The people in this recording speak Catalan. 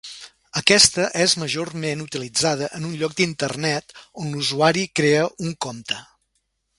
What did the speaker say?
Aquesta és majorment utilitzada en un lloc d'internet, on l'usuari crea un compte.